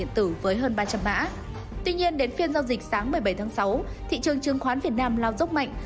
tuy nhiên đến phiên giao dịch sáng một mươi bảy tháng sáu thị trường chứng khoán việt nam lao dốc mạnh